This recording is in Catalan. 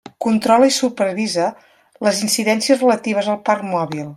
Controla i supervisa les incidències relatives al parc mòbil.